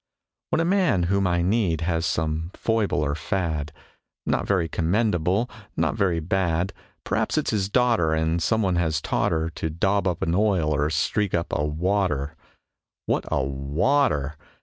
When a man whom I need has some foible or fad, Not very commendable, not very bad; Perhaps it's his daughter, And some one has taught her To daub up an "oil" or to streak up a "water"; What a "water"!